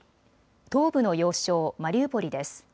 東部の要衝マリウポリです。